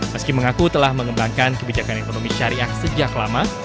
meski mengaku telah mengembangkan kebijakan ekonomi syariah sejak lama